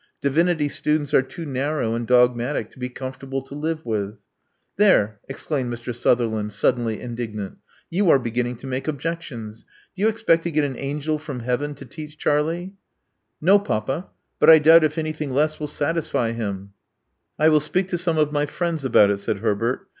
Divinity students are too narrow and dogmatic to be comfortable to live with." There !" exclaimed Mr. Sutherland, suddenly indignant: ^'you are beginning to make objections. Do you expect to get an angel from heaven to teacb Charlie?" No, papa; but I doubt if anything less will satis I U speak to some of my friends about it," ' Ber .